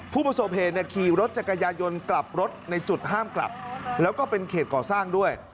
ผู้ประสบเหตุขี่รถจักรยายนกลับรถในจุดห้ามกลับแล้วก็เป็นเขตก่อสร้างด้วย